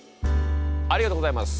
ありがとうございます。